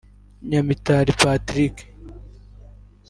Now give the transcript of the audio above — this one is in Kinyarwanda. Nyamitali Patrick